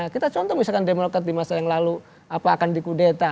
kita contoh misalkan demokrat di masa yang lalu apa akan di kudeta